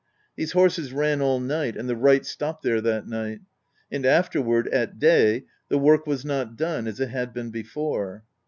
These horses ran all night, and the wright stopped there that night; and after ward, at day, the work was not done as it had been before.